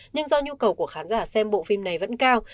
nhưng do nhu cầu của khán giả xem bộ phim này vẫn cao